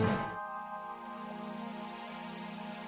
siva akan memiliki kekuatan yang sangat keras